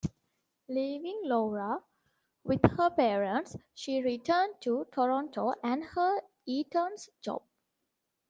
Leaving Laura with her parents, she returned to Toronto and her Eaton's job.